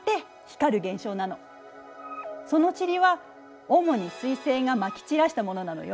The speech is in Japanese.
その塵は主に彗星がまき散らしたものなのよ。